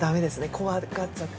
怖がっちゃって。